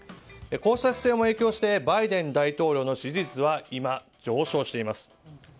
こうした姿勢も影響してバイデン大統領の支持率は今、上昇しています。